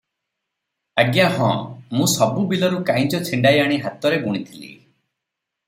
ଆଜ୍ଞା ହଁ- ମୁଁ ସବୁ ବିଲରୁ କାଂଇଚ ଛିଣ୍ଡାଇ ଆଣି ହାତରେ ବୁଣିଥିଲି ।